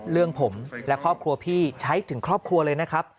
เรื่องผมและครอบครัวพี่ใช้ถึงครอบครัวเลยนะครับ